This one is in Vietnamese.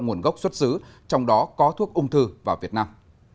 nguồn gốc xuất xứ trong đó có thuốc ung thư vào việt nam